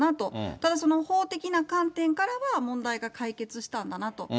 ただその、法的な観点からは、問題が解決したんだなと。